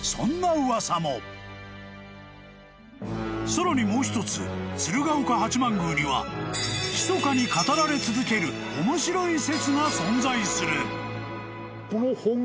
［さらにもう一つ鶴岡八幡宮にはひそかに語られ続ける面白い説が存在する］